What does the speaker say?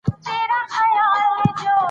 افغانستان کې د دښتو په اړه زده کړه کېږي.